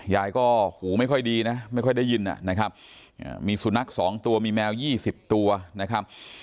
ยายก็หูไม่ค่อยดีนะไม่ค่อยได้ยินนะครับมีสุนัข๒ตัวมีแมว๒๐ตัวนะครับ